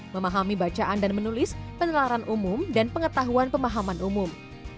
memahami bacaan dan menulis penelaran umum dan pengetahuan pemahaman umum